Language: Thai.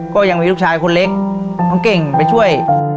ก็ยังมีลูกชายคนเล็กน้องเก่งไปช่วย